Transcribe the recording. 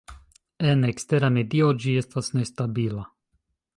En ekstera medio ĝi estas nestabila.